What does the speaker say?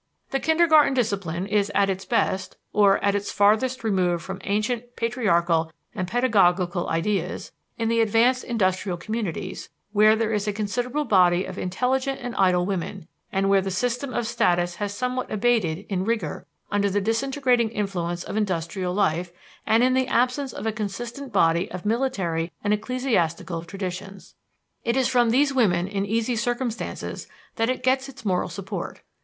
The kindergarten discipline is at its best or at its farthest remove from ancient patriarchal and pedagogical ideals in the advanced industrial communities, where there is a considerable body of intelligent and idle women, and where the system of status has somewhat abated in rigor under the disintegrating influence of industrial life and in the absence of a consistent body of military and ecclesiastical traditions. It is from these women in easy circumstances that it gets its moral support.